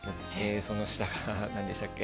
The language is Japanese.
その下が、何でしたっけ。